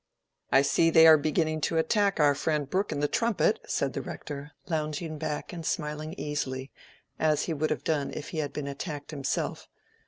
"I see they are beginning to attack our friend Brooke in the 'Trumpet,'" said the Rector, lounging back and smiling easily, as he would have done if he had been attacked himself.